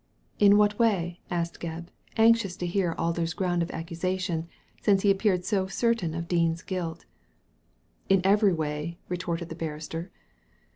"In what way?" asked Gebb, anxious to hear Alder's ground of accusation, since he appeared so certain of Dean's guilt "In every way," retorted the barrister.